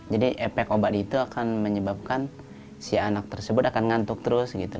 jadi efek obat itu akan menyebabkan si anak tersebut akan ngantuk terus